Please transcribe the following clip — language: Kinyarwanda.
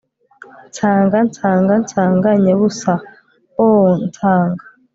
nsanga nsanga nsanga nyabusa oh nsanga